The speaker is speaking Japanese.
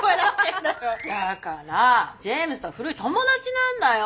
だからジェームズとは古い友達なんだよ。